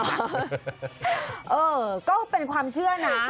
วิทยาลัยสมรรยาิตก็เป็นความเชื่อนะ